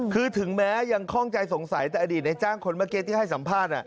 คือถึงแม้ยังคล่องใจสงสัยแต่อดีตในจ้างคนเมื่อกี้ที่ให้สัมภาษณ์